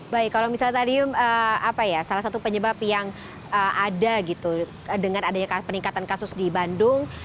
baik kalau misalnya tadi salah satu penyebab yang ada gitu dengan adanya peningkatan kasus di bandung